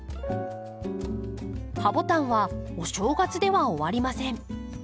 ハボタンはお正月では終わりません。